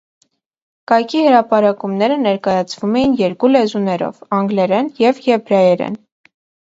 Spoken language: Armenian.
Կայքի հրապարակումները ներկայացվում էին երկու լեզուներով, անգլերեն և եբրայերեն։